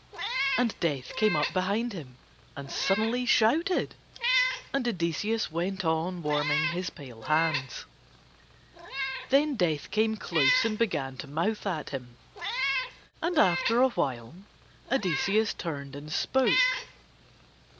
And Death came up behind him, and suddenly shouted. And Odysseus went on warming his pale hands. Then Death came close and began to mouth at him. And after a while Odysseus turned and spoke.